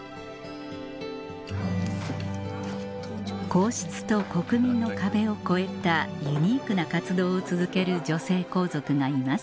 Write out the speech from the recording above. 皇室と国民の壁を越えたユニークな活動を続ける女性皇族がいます